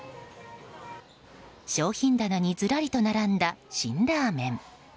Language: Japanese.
商品棚にずらりと並んだ辛ラーメン。